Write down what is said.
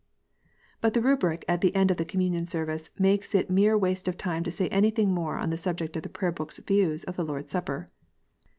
But the rubric at the end of the Communion Service makes it mere waste of time to say anything more on the subject of the Prayer book s view of the Lord s Supper.